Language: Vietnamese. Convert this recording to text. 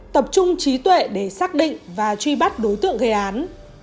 tập trung trí tuệ để xác định và truy bắt đối tượng gây án